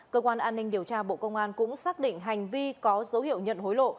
cơ quan an ninh điều tra bộ công an cũng xác định hành vi có dấu hiệu nhận hối lộ